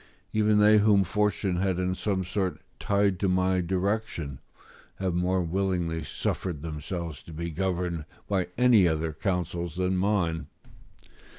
Even they whom fortune had in some sort tied to my direction, have more willingly suffered themselves to be governed by any other counsels than mine.